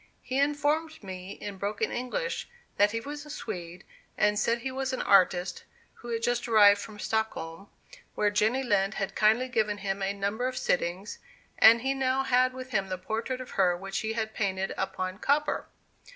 He informed me in broken English that he was a Swede, and said he was an artist, who had just arrived from Stockholm, where Jenny Lind had kindly given him a number of sittings, and he now had with him the portrait of her which he had painted upon copper.